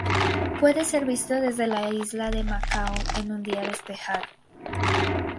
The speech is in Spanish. Puede ser visto desde la isla de Macao en un día despejado.